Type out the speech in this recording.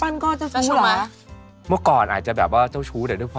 อย่างนี้เขาหมดหรอคะ